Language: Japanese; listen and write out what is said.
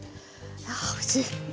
あおいしい。